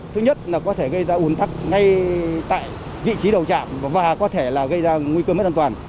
thứ nhất là có thể gây ra ủn tắc ngay tại vị trí đầu chạm và có thể là gây ra nguy cơ mất an toàn